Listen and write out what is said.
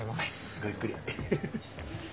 ごゆっくり。